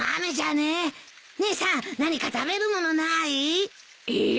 姉さん何か食べる物ない？えっ！？